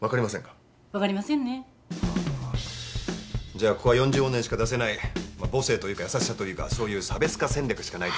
じゃあここは四十女にしか出せない母性というか優しさというかそういう差別化戦略しかないですね。